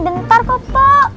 bentar kok pak